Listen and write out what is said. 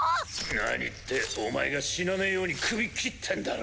何ってお前が死なねぇように首斬ってんだろ。